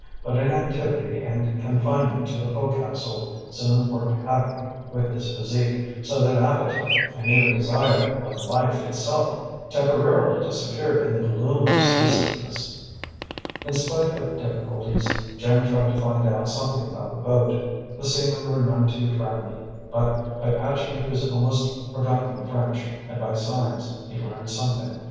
But inactivity and confinement to the fo'cas'le soon worked havoc with his physique, so that appetite, and even desire of life itself, temporarily disappeared in the gloom of seasickness. In spite of difficulties, Jim tried to find out something about the boat. The seamen were none too friendly; but by patching up his almost forgotten French and by signs, he learned something.